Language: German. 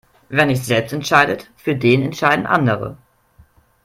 Wer nicht selbst entscheidet, für den entscheiden andere.